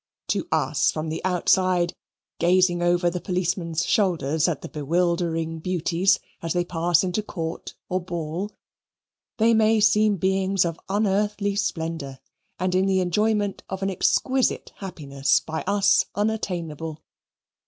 To us, from the outside, gazing over the policeman's shoulders at the bewildering beauties as they pass into Court or ball, they may seem beings of unearthly splendour and in the enjoyment of an exquisite happiness by us unattainable.